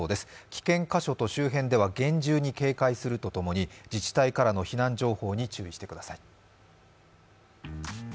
危険個所と周辺では厳重に警戒するとともに自治体からの避難情報に注意してください。